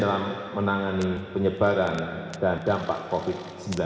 dalam menangani penyebaran dan dampak covid sembilan belas